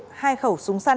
hai khẩu súng săn